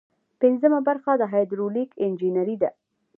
پنځمه برخه د هایدرولیک انجنیری ده.